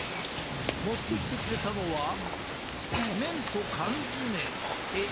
持ってきてくれたのは麺と缶詰えっ